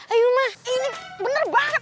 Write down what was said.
ayo mas ini bener banget